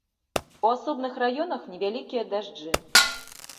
У асобных раёнах невялікія дажджы.